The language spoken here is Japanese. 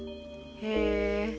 へえ！